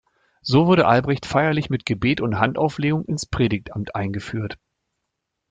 So wurde Albrecht feierlich mit Gebet und Handauflegung ins Predigtamt eingeführt.